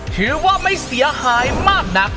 ถือว่าไม่เสียหายมากนัก